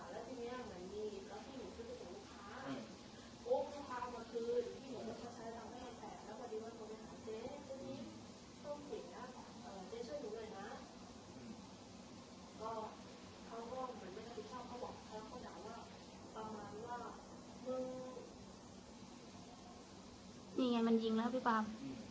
เขาบอกถามคนไหนว่าประมาณว่านี่ไงมันยิงแล้วฮะพี่ปาล์ม